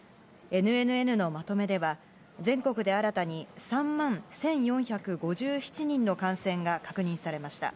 ＮＮＮのまとめでは、全国で新たに３万１４５７人の感染が確認されました。